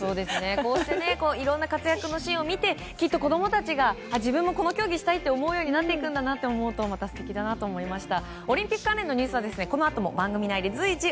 こうしていろんな活躍のシーンを見てきっと、子供たちがああ、自分もこの競技したいって思うようになっていくんだなと思うとまた素敵だなと思いました。